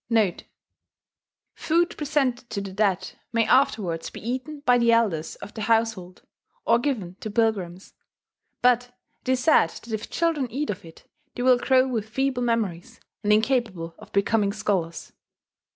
* [*Food presented to the dead may afterwards be eaten by the elders of the household, or given to pilgrims; but it is said that if children eat of it, they will grow with feeble memories, and incapable of becoming scholars.